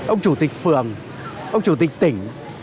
ông chủ tịch phường ông chủ tịch tỉnh